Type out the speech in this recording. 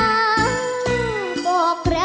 ห่วงฟ้า